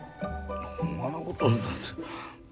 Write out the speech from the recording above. ほんまのことって。